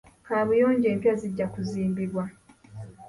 Kabuyonjo empya zijja kuzimbibwa.